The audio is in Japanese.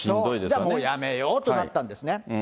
じゃあ、もうやめようとなったんですね。